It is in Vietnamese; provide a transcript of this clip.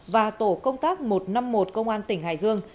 và tổ công tác một trăm năm mươi một công an tỉnh hải dương